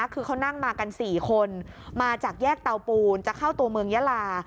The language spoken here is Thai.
คือเขานั่งมากัน๔คนมาจากแยกเตาปูนจะเข้าตัวเมืองยาลา